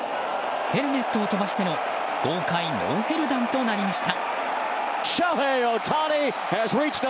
ヘルメットを飛ばしての豪快ノーヘル弾となりました。